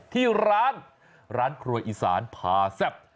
ที่ร้านร้านครัวอีสานผ่าแซ่บ